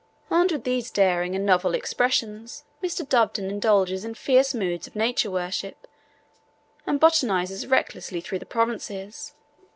Armed with these daring and novel expressions Mr. Doveton indulges in fierce moods of nature worship, and botanises recklessly through the provinces.